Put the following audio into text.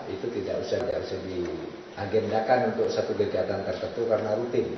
itu tidak usah diagendakan untuk satu kegiatan tertentu karena rutin